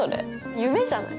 夢じゃない？